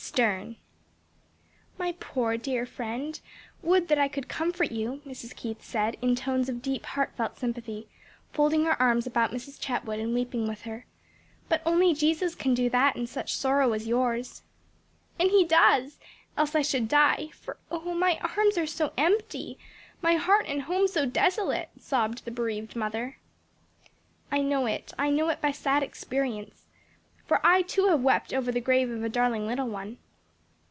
STERNE. "MY poor, dear friend, would that I could comfort you!" Mrs. Keith said in tones of deep heartfelt sympathy, folding her arms about Mrs. Chetwood and weeping with her; "but only Jesus can do that in such sorrow as yours." "And He does, else I should die; for oh my arms are so empty, my heart and home so desolate!" sobbed the bereaved mother. "I know it, I know it by sad experience; for I too, have wept over the grave of a darling little one."